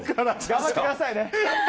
頑張ってくださいね。